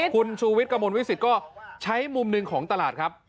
คุณชูวิทย์กระมวลวิสิตก็ใช้มุมหนึ่งของตลาดครับ